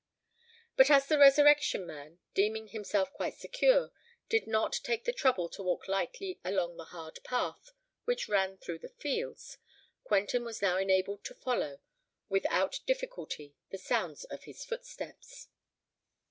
But as the Resurrection Man, deeming himself quite secure, did not take the trouble to walk lightly along the hard path which ran through the fields, Quentin was now enabled to follow without difficulty the sounds of his footsteps.